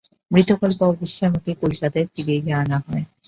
মৃতকল্প অবস্থায় আমাকে কলিকাতায় ফিরিয়ে আনা হয়।